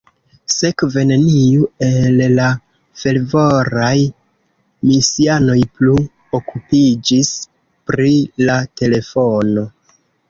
Sekve neniu el la fervoraj misianoj plu okupiĝis pri la telefono.